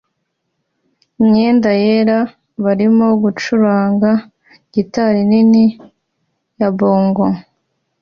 imyenda yera barimo gucuranga gitari nini na bongo